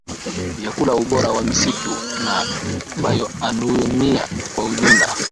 vyakula ubora wa misitu na bayoanuai kwa ujumla